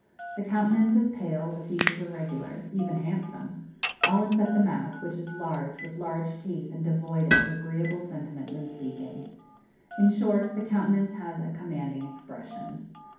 The countenance is pale; the features are regular even handsome all except the mouth, which is large, with large teeth, and devoid of agreeable sentiment when speaking. In short, the countenance has a commanding expression.